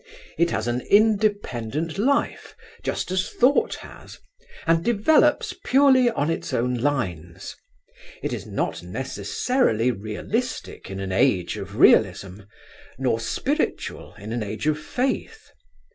It has an independent life, just as Thought has, and develops purely on its own lines. It is not necessarily realistic in an age of realism, nor spiritual in an age of faith.